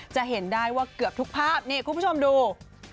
จะเห็นได้ว่าเกือบทุกภาพนี่คุณผู้ชมดู